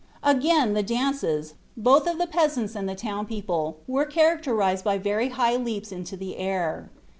Again, the dances, both of the peasants and the townspeople, were characterized by very high leaps into the air.